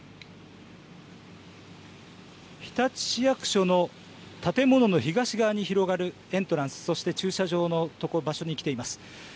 日立市役所の建物の東側に広がるエントランス、そして駐車場の場所に来ています。